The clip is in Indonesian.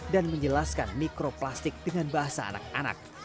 dan menjelaskan mikroplastik dengan bahasa anak anak